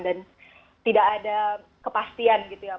dan tidak ada kepastian